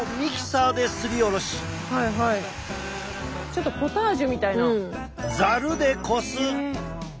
ちょっとポタージュみたいな。